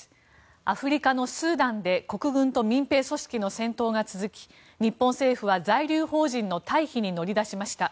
アフリカのスーダンで国軍と民兵組織の戦闘が続き日本政府は在留邦人の退避に乗り出しました。